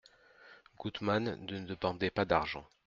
Goutman ne demandait pas d'argent.